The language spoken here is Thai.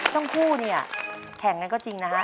ทั้งคู่เนี่ยแข่งกันก็จริงนะฮะ